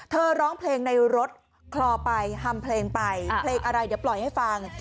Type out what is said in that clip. ร้องเพลงในรถคลอไปฮัมเพลงไปเพลงอะไรเดี๋ยวปล่อยให้ฟัง